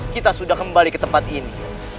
kita sudah kembali ke tempat ini